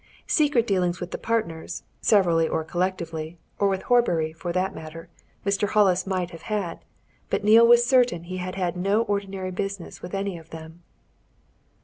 Secret dealings with the partners, severally or collectively, or with Horbury, for that matter, Mr. Hollis might have had, but Neale was certain he had had no ordinary business with any of them.